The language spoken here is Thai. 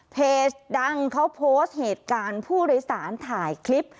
เพจดังเขาโพสต์เหตุการณ์ผู้โดยสารถ่ายคลิป